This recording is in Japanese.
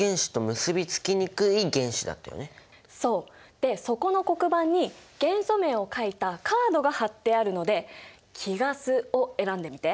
でそこの黒板に元素名を書いたカードが貼ってあるので貴ガスを選んでみて。